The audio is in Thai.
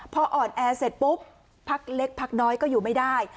พออ่อนแอเสร็จปุ๊บพักเล็กพักน้อยก็อยู่ไม่ได้